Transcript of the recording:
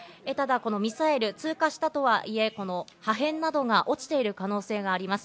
ただ、このミサイル、通過したとはいえ、破片などが落ちている可能性があります。